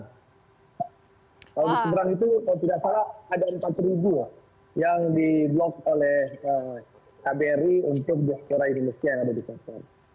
kalau di seberang itu kalau tidak salah ada empat yang di blok oleh kbri untuk diaspora indonesia yang ada di qatar